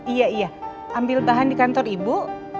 iya iya ambil bahan di kantor ibu